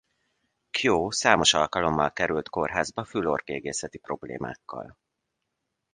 Kjó számos alkalommal került kórházba fül-orr-gégészeti problémákkal.